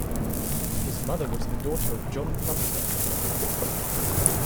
His mother was the daughter of John Plumptre of Nottingham.